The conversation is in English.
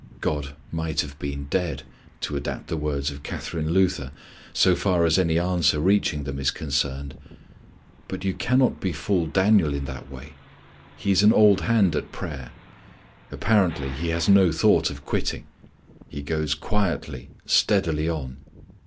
God might have been dead, to adapt the words of Catharine Luther, so far as any answer reaching them is concerned. But you cannot befool Daniel in that way. He is an old hand at prayer. Apparently he has no thought of quitting. He goes quietly, steadily on.